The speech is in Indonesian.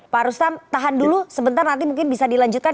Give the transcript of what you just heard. pak rustam tahan dulu sebentar nanti mungkin bisa dilanjutkan